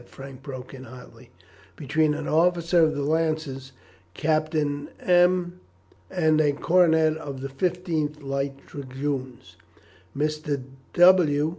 Frank broke in hotly "'between an officer of the Lancers, Captain M l, and a cornet of the 15th Light Dragoons, Mr. W t.